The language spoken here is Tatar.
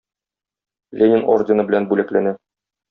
Ленин ордены белән бүләкләнә.